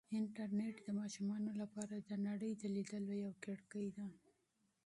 انټرنیټ د ماشومانو لپاره د نړۍ د لیدلو یوه کړکۍ ده.